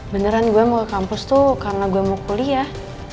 beneran gue mau ke kampus tuh karena gue mau kuliah